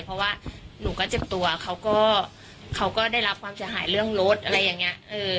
เพราะว่าหนูก็เจ็บตัวเขาก็เขาก็ได้รับความเสียหายเรื่องรถอะไรอย่างนี้